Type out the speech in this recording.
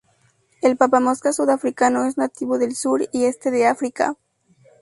El papamoscas sudafricano es nativo del sur y este de África.